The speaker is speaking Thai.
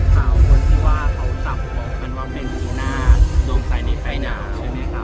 ถามคนที่ว่าเขาจับมันว่าเป็นจีน่าร่วมใส่ในไฟหนาวใช่ไหมครับ